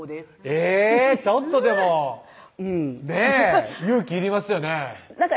えぇちょっとでもねぇ勇気いりますよねぇなんか